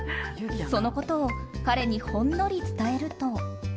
そのことを彼にほんのり伝えると。